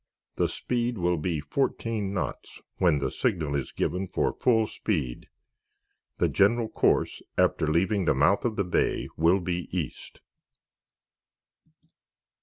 The speed will be fourteen knots when the signal is given for full speed. The general course, after leaving the mouth of the Bay will be East."